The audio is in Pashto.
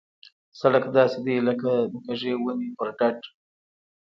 سړک داسې دی لکه د کږې ونې پر ډډ.